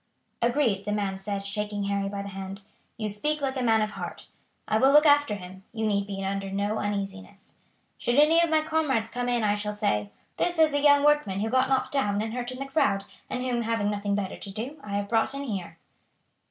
"Agreed!" the man said, shaking Harry by the hand. "You speak like a man of heart. I will look after him. You need be under no uneasiness. Should any of my comrades come in I shall say: 'this is a young workman who got knocked down and hurt in the crowd, and whom, having nothing better to do, I have brought in here."'